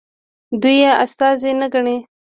دوی یې استازي نه ګڼي.